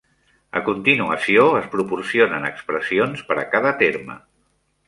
A continuació es proporcionen expressions per a cada terme.